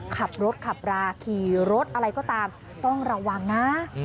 ขับรถขับราขี่รถอะไรก็ตามต้องระวังนะ